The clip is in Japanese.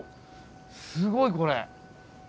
すごいこれ。